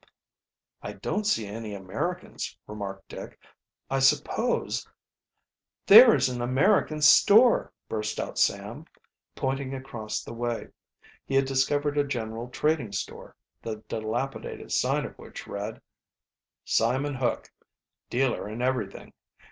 "I don't see any Americans," remarked Dick. "I suppose " "There is an American store!" burst out Sam, pointing across the way. He had discovered a general trading store, the dilapidated sign of which read: SIMON HOOK, Dealer in Everything.